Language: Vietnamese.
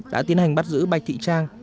đã tiến hành bắt giữ bạch thị trang